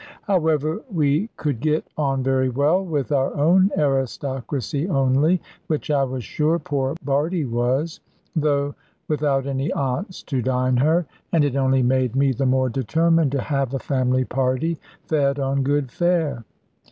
However, we could get on very well with our own aristocracy only, which I was sure poor Bardie was, though without any aunts to dine her, and it only made me the more determined to have a family party fed on good fare.